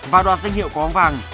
và đoạt danh hiệu của ông vàng